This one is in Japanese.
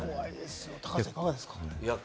高橋さん、いかがですか？